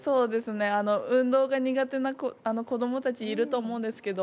運動が苦手な子供たちいると思うんですけど